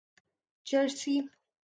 Jersey